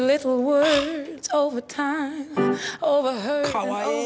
かわいい。